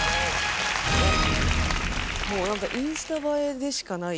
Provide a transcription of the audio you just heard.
もうなんかインスタ映えでしかない。